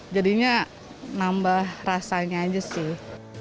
jadinya nambah rasanya aja sih